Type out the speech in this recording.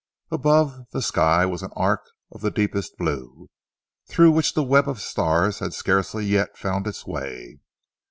Above, the sky was an arc of the deepest blue through which the web of stars had scarcely yet found its way.